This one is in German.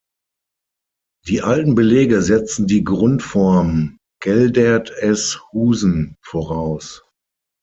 Die alten Belege setzen die Grundform „Gelderd-es-husen“ voraus.